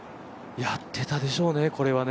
やってたでしょうね、これはね。